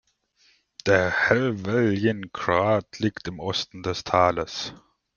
Der Helvellyn-Grat liegt im Osten des Tales.